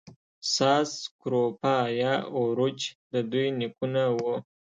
ساس سکروفا یا اوروچ د دوی نیکونه وو.